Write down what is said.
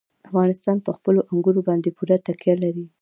افغانستان په خپلو انګورو باندې پوره تکیه لري.